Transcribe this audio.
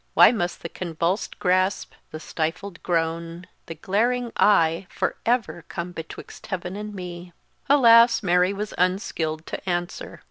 Why must the convulsed grasp, the stifled groan, the glaring eye, for ever come betwixt heaven and me?" Alas! Mary was unskilled to answer.